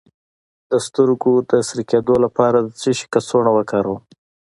د سترګو د سره کیدو لپاره د څه شي کڅوړه وکاروم؟